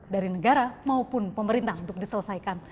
dari negara maupun pemerintah untuk diselesaikan